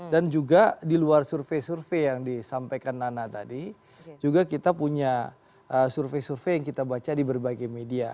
dan juga di luar survei survei yang disampaikan nana tadi juga kita punya survei survei yang kita baca di berbagai media